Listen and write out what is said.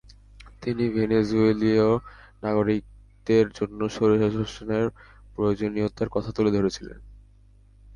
তিনি ভেনেজুয়েলীয় নাগরিকদের জন্য স্বৈরশাসনের প্রয়োজনীয়তার কথা তুলে ধরেছিলেন।